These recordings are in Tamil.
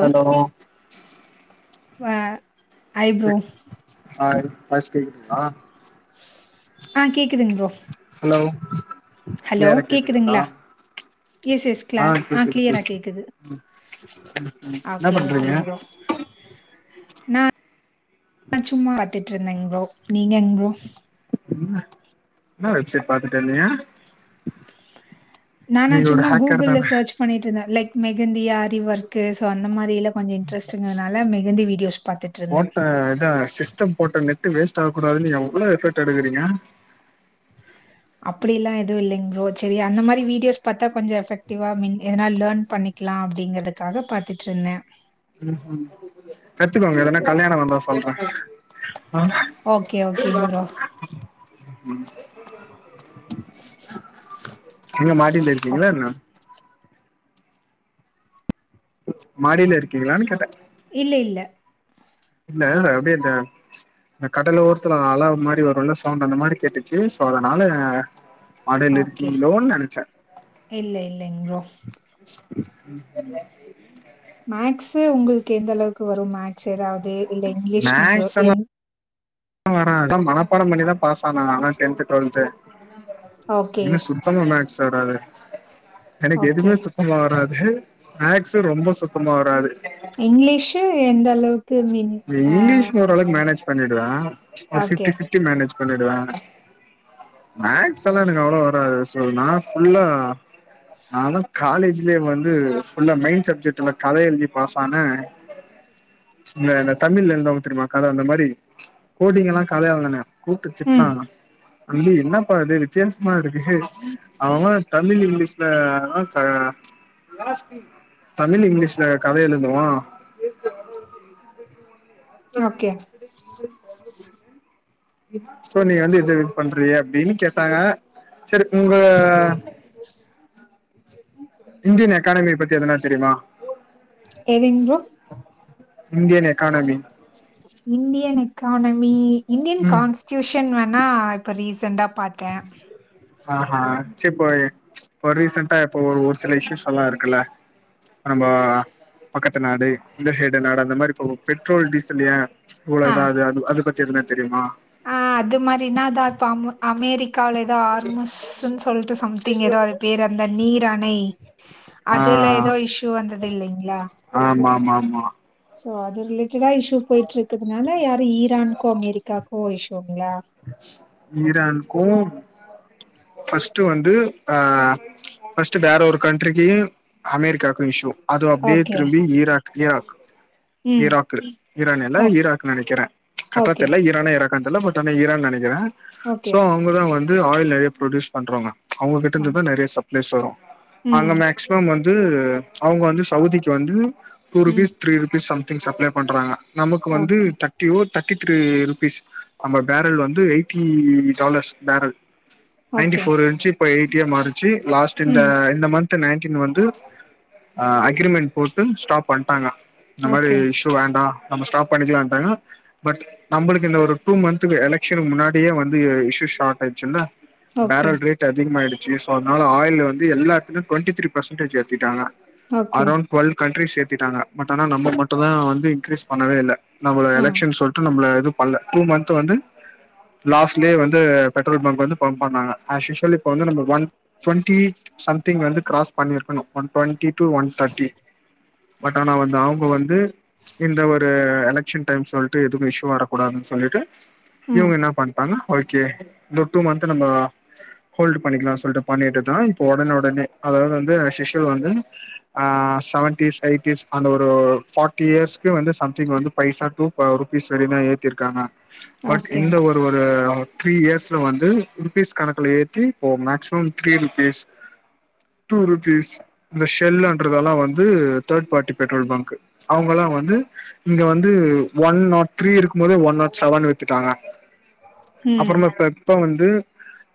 ஹலோ வ ஐப்ரோ ஹாய் வாய்ஸ் கேக்குதுங்ளா ஆ கேக்குதுங் ப்ரோ ஹலோ ஹலோ கேக்குதுங்களா எஸ் எஸ் கிலாஸ் ஆ கிளியரா கேக்குது ம் என்ன ஒகே பண்றீங்க ஒகேங்க ப்ரோ நா [inaudible] சும்மா பத்துட்டு இருந்தேங் ப்ரோ நீங்கங் ப்ரோ ம் என்ன வெப்சைட் பாத்துட்டே இருந்தீங்க நானா நீங்க ஒரு சும்மா ஹேக்கர் கூகுள்ல தான சர்ச் பண்ணிட்டு இருந்தே லைக் மெகந்தி ஆ தி ஒர்க்கு சோ அந்த மாரிலா கொஞ்ச இன்ட்ரெஸ்ட்ங்க அதனால மெகந்தி வீடியோஸ் பாத்துட்ருந்த அ அதா சிஸ்டம் போட்ட நெட்டு வேஸ்ட் ஆககூடாதுனு எவ்ளோ எஃபெக்ட் எடுக்குறீங்க அப்டில்லா எதுவு இல்லைங் ப்ரோ சரி அந்த மாரி வீடியோஸ் பாத்தா கொஞ்சோ எஃபக்டிவ்வா மீன் எதனா லேர்ன் பண்ணி க்கலா அப்டிங்கிறதுக்காக பாத்துட்டு இருந்த ம் ம் கத்துக்கோங்க எதன்னா கல்யாணோ வந்தா சொல்ற ஆ ஓகே ஓகேங்க ப்ரோ எங்க மாடில இருக்கீங்களா ஓகே என்ன மாடில இருக்கீங்களானு கேட்ட இல்ல இல்ல இல்ல அப்டே இந்த இந்த கடல் ஒரத்துல அல மாரிவருல்ல சவுண்ட் அந்த மாரி கேட்டுச்சு சோ அதனால மாடில ஓகே இருக்கீங்களோன்னு நெனச்ச இல்ல இல்லைங்க ப்ரோ மேக்ஸ்ஸு உங்களுக்கு எந்த அளவுக்கு வரும் மேக்ஸ் எதாவது இல்ல இங்கிலீஷ் நீயோ வரா மனப்பாடம் பண்ணிதா பாஸ் ஆன நாலா டென்த்து டுவல்த்து ஓகே, என்ன சு சுத்தமா மேக்ஸ் வராது எனக்கு ஓகே. எதுமே சுத்தமா வராது மேக்ஸு ரொம்ப சுத்தமா வராது இங்கிலீஷு எந்த அளவுக் இந்த இங்கிலீஷ் ஓர் அளவுக்கு மேனேஜ் பண்ணிடுவ ஒரு ஓகே. ஃபிப்டி ஃபிப் மேனேஜ் பண்ணிடுவ மேக்ஸ் எல்லா எனக்கு அவ்ளவா வராது சோ நா ஃபுல்லா நா தா காலேஜ்லயே வந்து ஃபுல்லா மெயின் சப்ஜெக்ட்ல கதை எழுதி பாஸ் ஆன இல்ல இந்த தமிழ்ல எழுதுவாங்க தெரியுமா கத அந்த மாரி கோடிங்கெல்லா கதையா எழுதன கூப்டு ம். திட்னாங்க தம்பி என்னப்பா இது வித்தியாசமா இருக்கு அவ அவ தமிழ் இங்கிலீஷ்ல த தமிழ் இங்கிலீஷ்ல கத எழுதுவா ஓகே சோ நீங்க வந்து இது இது பண்றீயே அப்டின்னு கேட்டாங்க சரி உங்க இந்தியன் அகாடமிய பத்தி எதனா தெரியுமா எதுங் bro Indian academy Indian academy Indian ம் கான்ஸ் டியூஷன் வேணா இப்போ ரீசெண்டா பாத்து [inaudible] ஆஹா சரிப் இப்ப ரீசண்டா இப்ப ஒரு சில இஷ்யூஸ் எல்லா இருக்குல்ல நம்ம பக்கத்து நாடு இந்த சைடு நாடு அந்த மாரி இப்ப பெட்ரோல் டீசல்ல ஏ இவ்ளோ ஆ இதாகுது அது அதபத்தி எதுனா தெரியுமா அது மாரினா தா தாமு அமெரிக்காவ்ல ஏதோ ஆர்மஸ்ஸுன்னு சொல்லிட்டு சம்திங் ஏதோ அது பேர் அந்த நீர் அணை ஆ அதுல ஏதோ இஷ்யூ வந்தது இல்லைங்ளா ஆமா ஆமா ஆமா சோ அது ரிலேட்டடா இஷூ போயிட்டு இருக்குதுனால யாரும் ஈரான்க்கோ அமெரிக்காக்கோ இஷ்யூங்ளா ஈரானுக்கூ பஃர்ஸ்ட்டு வந்து ஆ பஃர்ஸ்ட்டு வேற ஒரு கண்ட்ரிக்கு அமெரிக்காவுக்கு இஷ்யூ அது அப்டியே ஓகே திரும்பி ஈராக் யா ம் ஈராக்கு ஈரான் இல்ல ஓ ஈராக்னு நெனைக்கிறேன் ஓகே கரட்டாதெரில்ல ஈரானு கன்டெல பட் ஆனா ஈரான் நெனைக்கிறே ஓகே சோ அவுங்கதா வந்து ஆயில் நெறைய ப்ஃரொடியூஸ் பண்றவுங்க அவுங்ககிட்ட ஆ இருந்து தா நெறைய சப்ளைஸ் வரு அங்க ம் மேக் மேக்சிமம் வந்து அவுங்க வந்து சவுதிக்கு வந்து டூ ம் rupees three rupees something supply பண்றாங்க நமக்கு வந்து ஓகே தர்டி ஓ தேர்ட்டி த்ரீ ருபீஸ் நம்ம பேரல் வந்து eighty dollars barrel ninety okay four இன்ஞ்சு இப்போ எய்டியா மாருச்சு லாஸ்ட் இந்த ம் இந்த மந்த் த் நைன்டீன் வந்து அக்ரிமென்டு போட்டு ஸ்டாப் பண்டாங்க இந்த மாரி ஓகே ஸ் யூ வேண்டா நம்ப ஸ்டாப் பண்ணிக்கிலான்டாங்க பட் நம்புளுக்கு இந்த ஒரு டூ மந்துக்கு எலெக்ஷன் முன்னாடியே வந்து இஷ்சு ஷார்ட் ஆய்சில்ல ஓகே டைரக்ட் ரேட் டு அதிகமாயிடுச்சு சோ அதுனால ஆயில் வந்து எல்லா இடத்துலயு டுவென்டி த்ரீ பர்சன்டேஜ் ஏத்திட்டாங்க ஓகே அரௌண்ட் டுவல் கண்ட்ரிஸ் ஏத்திட்டட்டாங்க பட் ஆனா நம்ப மட்டூ தா வந்து இன்கிரீஸ் பண்ணவே இல்ல நம்மள ஆ எலெக்ஷன் சொல்ட்டு நம்மள எது பண்ல டூ மந்து வந்து லாஸ்ட்லேயே வந்து பெட்ரோல் பங்க் வந்து பம் பண்ணாங்க ஆஸ்யூசுவல் இப்ப வந்து நம்ப ஒன் டுவெண்டி சம்திங் வந்து கிராஸ் பண்ணிருக்கணு one twenty to one thirty but ஆனா வந்து அவுங்க வந்து இந்த ஒரு எலெக்ஷன் டைம் சொல்ட்டு எதுவு இஷ்சு வரக்கூடாது சொல்ட்டு ம் இவுங்க என்ன பண்டாங்க ஓகே இந்த டூ மந்த் நம்போ ஹோல்டு் பண்ணிக்கலா சொல்ட்டு பண்ணிட்டு தா இப்ப உடனே உடனே அதாவது வந்து அஸ்யூஸ்வல் வந்து ஆ செவன்டீஸ் எயிட்டிஸ் அந்த ஒரு பாட் டி இயர்ஸ் வந்து சம்திங் வந்து பைசா டூ ருபீஸ் வரையு தா ஏத்திருக்காங்க பட் ஓகே இந்த ஒரு ஒரு த்ரீ இயர்ஸ்ல வந்து ருபீஸ் கணக்குல ஏத்தி இப்போ maximum three rupees two rupees இந்த ஷெல்லன்றதெல்லா வந்து தேர்ட் பார்ட்டி பெட்ரோல் பங்க்கு அவுங்கயெல்லா வந்து இங்க வந்து ஒன் நாட் த்ரீ இருக்கு போதே ஒன் நாட் செவன் வித்துட்டாங்க ம் அப்பறமா இப்ப இப்ப வந்து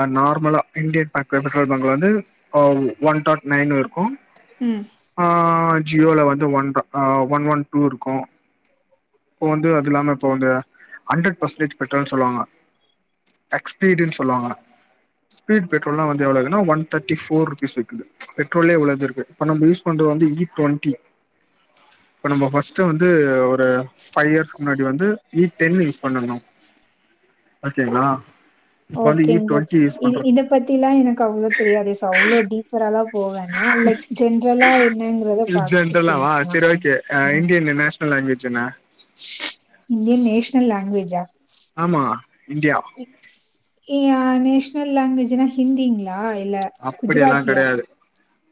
அ நார்மலா இண்டியன் பேங்க் பெட்ரோல் பங்கு வந்து அ ஒன் டாட் நைனு இருக்கு ம் ஆ ஜியோல வந்து ஒன்ற அ ஒன் ஒன் டூ இருக்கு இப்ப வந்து அது இல்லாம இப்ப வந்து ஹண்ரட் பர்சன்டேஜ் பெட்ரோல் சொல்லுவாங்க எக்ஸ்பீடுன் சொல்லுவாங்க ஸ்பீட் பெட்ரோல்லா வந்து எவ்ளோ இருக்குனா ஒன் தேர்ட்டி ஃபோர் ருபீஸ் விக்குது பெட்ரோலேயே இவ்ளோ இது இருக்கு இப்ப நம்ம யூஸ் பண்றது வந்து இ டொண்ட்டி இப்ப நம்போ ஃபஸ்ட்டு வந்து ஒரு ஃபைவ் இயர்ஸ்க்கு முன்னாடி வந்து ஈ டென்ல யூஸ் பண்ணுணோ ஓகேங்ளா இப்ப வந்து இ டொண்ட்டி யூஸ் பண்றோ த பத்திலா எனக்கு அவ்ளோ தெரியாது சா அவ்ளோ டீப்பர்ரா லா போவேன்னா லைக் ஜென்ரலா என்னங்கறத இது பாத்து பேசலா ம் ம் னல் லாங்குவேஜ் என்ன இந்தியன் நேஷனல் லேங்வேஜ்ஜா ஆமா இன்டியா ஏயா நேஷ்னல் லேங்வேஜ்னா ஹிந்திங்ளா அப்புடி எல்லா கெடையாது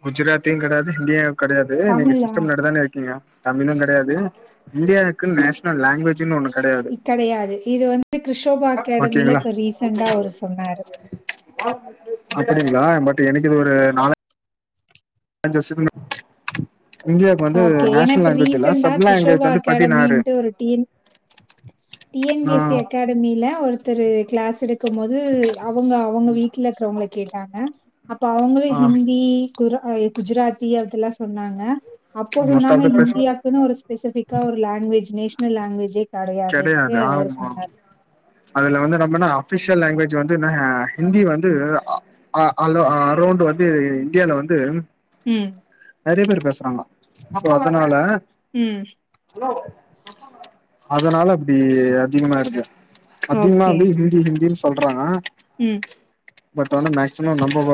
குஜராத்தியு கிடையாது ஹிந்தியு கிடையாது நீங்க தமிழா? சிஸ்டம் முன்னாடி தான இருக்கீங்க தமிழு கெடையாது இந்தியாவுக்கு நேஷனல் லேங்வேஜுன் ஒண்ணு கெடையாது க் கெடையாது இது வந்து க்ருஷோபா அகேடமில ஓகேங்களா இப்ப ரீசெண்டா அவரு சொன்னாரு அப்புடிங்களா பட் எனக்கு இது ஒரு நாலே அஞ்சு [unintelligible] இண்டியாவுக்கு வந்து ஓகே. ஏன்னா நேஷனல் இப்ப லேங்குவேஜ்ல்ல ரீசென்ட்டா சப் கிறிஷோபா லேங்குவேஜ் வந்து பதினாறு அகாடமின்ட்டு டி என் பி ஆ எஸ் சி அகா டமில ஒருத்தரு கிளாஸ் எடுக்கும் போது அவுங்க அவுங்க வீட்ல இருக்கறவங்கள கேட்டாங்க அப்ப அவுங்களே ஆ ஹிந்தி குரா அ குஜராத்தி அதெல்லா சொன்னாங்க அப்போ மோஸ்ட் சொன்னாங்க ஆஃப் த பர்சன் இந்தியாக்குனு ஒரு ஸ்பெசிஃபிக்கா ஒரு லேங்வஜ் நேஷனல் லேங்வேஜே கெடையாதுன்ட்டு கெடையாது அவரு ஆமா சொன்னாரு அதுல வந்து நம்மன அஃபிஷியல் லேங்குவேஜ் வந்துன ஹிந்தி வந்து அ அ அலோ அரௌண்ட் வந்து இண்டியால வந்து ம் நெறைய பேர் பேசுறாங்க சோ அதனால ம் ஹலோ அதனால அப்டி அதிகமா ஆயிருது அதிகமா ஓகே. வந்து ஹிந்தி ஹிந்தின் சொல்றவ ம் பட் வந்து மேக்சிமம் நம்ப வ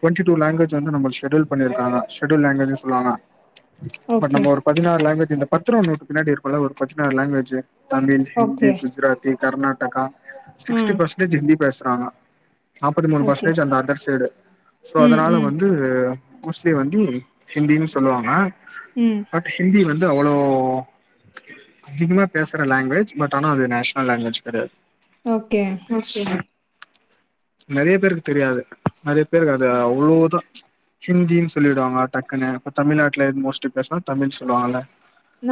டொண்ட்டி டூ லேங்வெஜ் வந்து நம்ள் செட்யூல் பண்ணிருக்காங்க செட்யூல் லேங்வேஜ்னு சொல்லாங்க பட் ஓகே, நம்ம ஒரு பதினாறு லேங்வேஜ் இந்த பத்ருவா நோட்டு பின்னாடி இருக்குல ஒரு பதினாறு லேங்வேஜ்ஜு தமிழ் ஹிந்தி ஓகே. குஜராத்தி கர்நாடகா ஆ. சிக்ஸ்டி பெர்சன்டேஜ் ஹிந்தி பேசுறாங்க நாப்பத்தி மூணு ஓகே. பர்சன்டேஜ் அந்த அதர் சைடு சோ ம், அதனால ம், வந்து ந்து மோஸ்ட்லி வந்து ஹிந்தினு சொல்லுவாங்க ம் பட் ஹிந்தி வந்து அவ்ளோ அதிகமா பேசுற லாங்குவேஜ் பட் ஆனா அது நேஷனல் லாங்குவேஜ் கெடையாது ஓகே நெறைய பேருக்கு தெரியாது நெறைய பேருக்கு அது அவ்ளோதான் ஹிந்தின்னு சொல்லிடுவாங்க டக்குனு இப்ப தமிழ்நாட்டுல எது மோஸ்ட் பேசனா தமிழ் சொல்லுவாங்கல்ல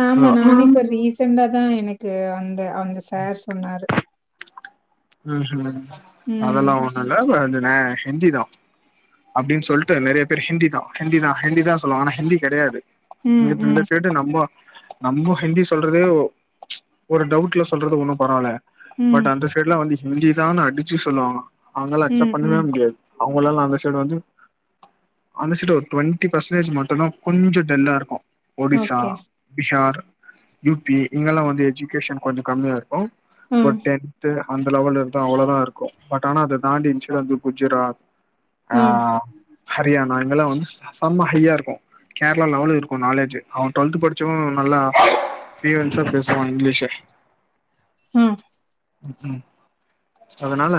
ஆமா நானே இப்ப ரீசண்டா தான் எனக்கு அந்த அந்த சார் சொன்னாரு ம் ம் ம் அதெல்லாம் ஒன்னும் இல்ல [unintelligible] ஹிந்தி தான் அப்டின்னு சொல்லிட்டு நெறைய பேர் ஹிந்தி தான் ஹிந்தி தான் ஹிந்தி தான் சொல்லுவாங்க ஆனா ஹிந்தி கெடையாது ம், ம், நம்ப நம்ப ஹிந்தி சொல்றதே ஒரு டவுட்ல சொல்றது ஒன்னும் பரவால்ல பட் ம், அந்த சைட்ல வந்து ஹிந்தி தானு அடிச்சு சொல்லுவாங்க அவங்கல்லாம் அக்சப்ட் ம், பண்ணவே ம். முடியாது அவங்கள எல்லாம் அந்த சைடு வந்து அனுச்சிட்டு ஒரு டுவெண்டி பர்சன்டேஜ் மட்டும் தான் கொஞ்சம் டல்லாருக்கும் ஒடிசா ஓகே. பீஹார் யூபி இங்கெல்லாம் வந்து எஜுகேஷன் கொஞ்சம் கம்மியா க்ஷஃருக்கும் ஆ, ஒரு டென்து அந்த லெவல இருந்த அவ்ளவுதான் இருக்கும் பட் ஆனா அத தாண்டி [unintelligible] வந்து குஜராத் ஆ ஹரியானா இங்கெல்லாம் வந்து செம்ம ஹையாருக்கும் கேரளா லெவல்ல இருக்கும் நாலேஜ் அவன் டுவெல்த் படிச்சும் நல்லா பீளியான்ச பேசுவான் இங்கிலீஷு ம் ம் அதனால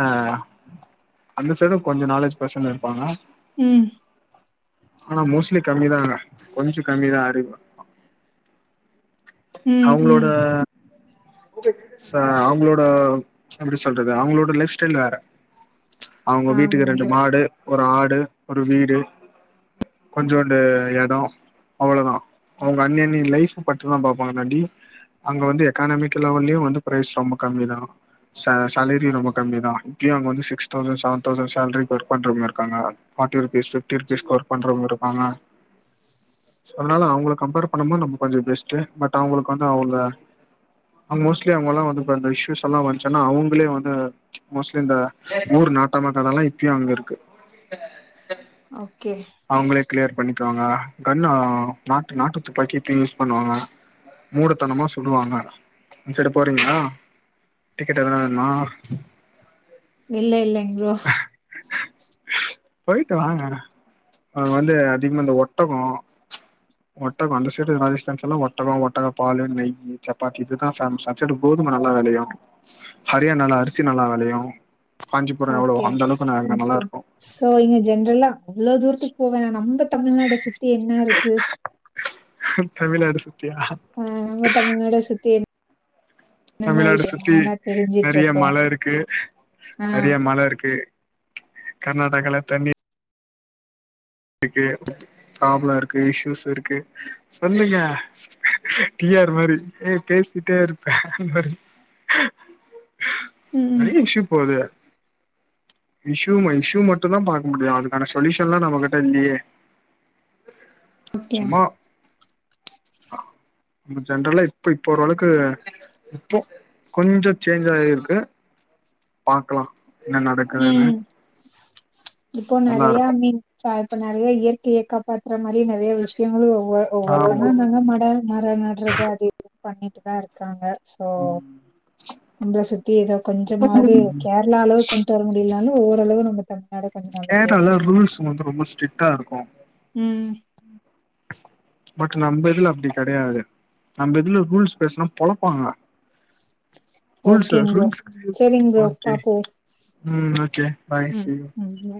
அந்த சைட கொஞ்சம் நாலேஜ் பேர்சென் இருப்பாங்க ம் ஆனா மோஸ்ட்லி கம்மிதான் கொஞ்சோ கம்மிதான் அறிவு ம், அவங்களோட ம். [unintelligible] அவங்களோட இப்ப எப்டி சொல்றது அவங்களோட லைப் ஸ்டைல் வேற அவங்க வீட்டுக்கு ஆமாங்க ரெண்டு ப்ரோ. மாடு ஒரு ஆடு ஒரு வீடு கொஞ்சோண்டு எடம் அவ்ளோதா அவுங்க அன்னி அன்னி லைஃப் மட்டும்தா பாப்பாங்கலாடி அங்க வந்து எக்கானமிக் லெவல்யே வந்து பிரைஸ் ரொம்ப கம்மி தா சே சேலரி ரொம்ப கம்மி தா இப்பயும் அங்க வந்து சிக்ஸ் தௌசண்ட் செவன் தௌசண்ட் சேலரிக்கு ஒர்க் பண்றவங்க இருக்காங்க forty rupees fifty rupees work பண்றவங்க இருப்பாங்க அதனால அவுங்கள கம்பேர் பண்ணுபோது நம்ம கொஞ்சோ பெஸ்ட்டு பட் அவுங்களுக்கு வந்து அவுங்க மோஸ்ட்லி அவுங்கல்லா வந்து இப்ப இசுஸ் எல்லாம் வந்துச்சின்னா அவுங்ளே வந்து மோஸ்ட்லி இந்த ஊரு நாட்டம அதெல்லாம் இப்பயு அங்க இருக்கு ஓகே அவுங்ளே கிளியர் பண்ணிக்குவாங்க கன்னு நாட்டு நாட்டுத்துப்பாக்கி இப்பயு யூஸ் பண்ணுவாங்க மூடத்தனமா சொல்லுவாங்க அந்த சைடு போறீங்களா டிக்கெட் ஏதாவது வேணுமா இல்ல இல்லங் ஃப்ரோ போயிட்டு வாங்க அங்க வந்து அதிகமா இந்த ஒட்டகம் ஒட்டகம் அந்த சைடு ராஜஸ்தான்ஸ்ல்லா ஒட்டகம் ஒட்டக பாலு நெய் சப்பாத்தி இதுதா ஃபேமஸ் அந்த சைடு கோது ம் நல்லா வெளையும் ஹரியானல அரிசி நல்லா வெளையும் காஞ்சிபுரம் எவ்ளவு அந்தளவுக்கு நா நல்லா இருக்கும் சோ இங்க ஜென்ரலா அவ்ளோ தூரத்துக்கு போகவேனா நம்ம தமிழ்நாட சுத்தி என்ன இருக்கு தமிழ்நாட சுத்தியா ஆ நம்ம தமிழ்நாட சுத்தி என் தமிழ்நாட சுத்தி தெரிஞ்சுட்டு நெறைய இருக்கோம். மல இருக்கு ஆ. நெறைய மல இருக்கு கர்நாடகால தண்ணி இருக்கு பராப்ளோ இருக்கு இஷுயூஸ் இருக்கு சொல்லுங்க டிஆர் மாரி ஏ பேசிட்டே இருப்பே அந்த மாரி [inaudible] ம், ம். நெறைய இஷு போது இஷு இஷ்யூ மட்டு தா பாக்க முடியு அதுக்கான சொலியூஷன்லா நம்ம ட்ட இல்லியே ஓகே சும்மா அ ஜென்ரல்லா இப்ப இப்ப ஓரளவுக்கு இப்போ கொஞ்சோ சேஞ்ச் ஆயிருக்கு பாக்கலா என்ன ம் நடக்குதுனு இப்போ நெறைய இருக்கும் மீன் இப்ப நெறைய இயற்கைய காப்பாத்துற மாரி நெறைய விஷயங்களு ஒ ஆமா ஒவ்வொருத்தங்க நல்ல மழ மரோ நட்றது அது இதுன்னு பண்ணிட் தா இருக்காங்க சோ நம்மள சுத்தி ஏதோ கொஞ்சமாவுது கேரளா அளவு கொண்டு வர முடியனாலு ஓரளவு நம்ம தமிழ் கேராளல ரூல்ஸ் வந்து ரொம்ப ஸ்ட்ரிக்டா இருக்கு ம் பட் நம்ம இதுல அப்டி கெடையாது நம்ம இதுல ரூல்ஸ் பேசனா பொழப்பாங்க ரூல்ஸ் ஓகேங் ப்ரோ ரூல்ஸ் சரிங் ப்ரோ ஓகே பாப்போ ம் ஓகே பாய் ம் சி யூ ம் பாய்.